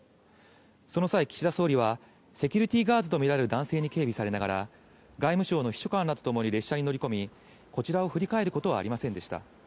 その際、岸田総理はセキュリティーガードと見られる男性に警備されながら、外務省の秘書官らと共に列車に乗り込み、こちらを振り返ることはありませんでした。